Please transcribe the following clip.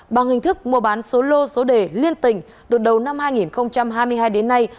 bằng hình thức mua bán số lô số đề liên tình từ đầu năm hai nghìn hai mươi hai đến nay